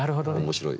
面白い。